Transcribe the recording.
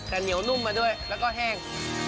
แต่เหนียวนุ่มมาด้วยแล้วก็แห้ง